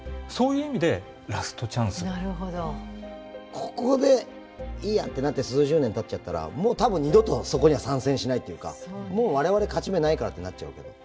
ここでいいやってなって数十年たっちゃったらもう多分二度とそこには参戦しないっていうかもう我々勝ち目ないからってなっちゃうけど。